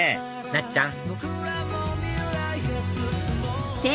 なっちゃん